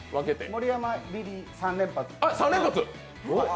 盛山、リリー、３連発。